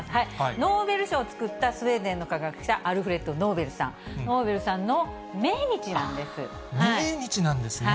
ノーベル賞を作ったスウェーデンの科学者、アルフレッド・ノーベルさん、命日なんですね。